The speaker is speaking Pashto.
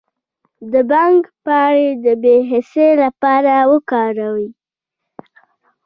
د بنګ پاڼې د بې حسی لپاره وکاروئ